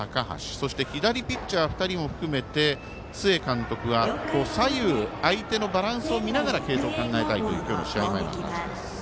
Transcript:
そして、左ピッチャー２人も含めて須江監督は左右相手のバランスを見ながら継投を考えたいという今日の試合前は話しています。